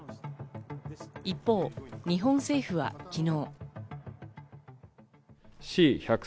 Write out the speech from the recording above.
一方、日本政府は昨日。